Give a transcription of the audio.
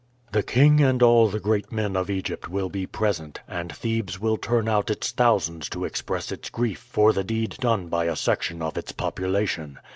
"The king and all the great men of Egypt will be present, and Thebes will turn out its thousands to express its grief for the deed done by a section of its population.